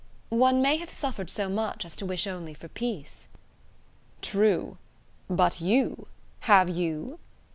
"One may have suffered so much as to wish only for peace." "True: but you! have you?"